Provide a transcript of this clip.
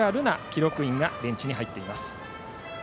記録員がベンチに入っています。